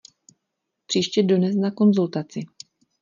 Příště dones na konzultaci.